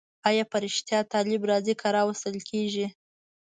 آیا په رښتیا طالب راځي که راوستل کېږي؟